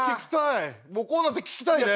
もうこうなったら聴きたいね。